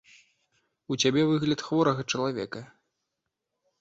У цябе выгляд хворага чалавека!